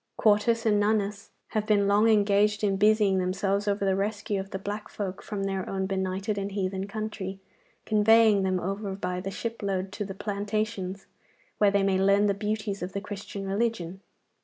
Quartus and Nonus have been long engaged in busying themselves over the rescue of the black folk from their own benighted and heathen country, conveying them over by the shipload to the plantations, where they may learn the beauties of the Christian religion.